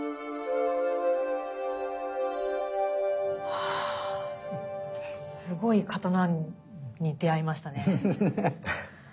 はぁすごい刀に出会いましたね。